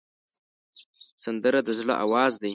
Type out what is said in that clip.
سندره د زړه آواز دی